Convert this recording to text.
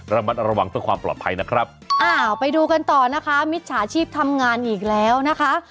ระมัดระวังเพื่อความปลอดภัยนะครับอ้าวไปดูกันต่อนะคะมิจฉาชีพทำงานอีกแล้วนะคะ